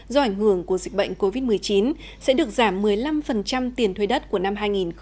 do ảnh hưởng của dịch bệnh covid một mươi chín sẽ được giảm một mươi năm tiền thuê đất của năm hai nghìn hai mươi